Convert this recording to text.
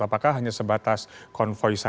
apakah hanya sebatas konvoi